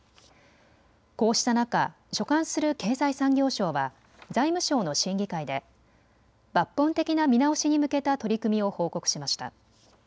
こうした中、所管する経済産業省は財務省の審議会で抜本的な見直しに向けた取り組みを報告しました。